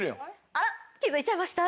あらっ気づいちゃいました？